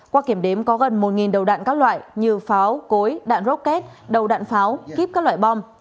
qua kiểm đếm có gần một đầu đạn các loại như pháo cối đạn rocket đầu đạn pháo kíp các loại bom